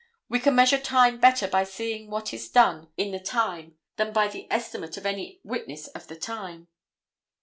We can measure time better by seeing what is done in the time than by the estimate of any witness of the time.